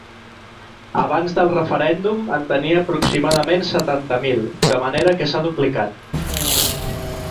Abans del referèndum en tenia aproximadament setanta mil, de manera que s’ha duplicat.